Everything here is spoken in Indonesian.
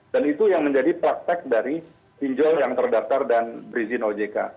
dan itu yang menjadi praktek dari pinjol yang terdaftar dan berizin ojk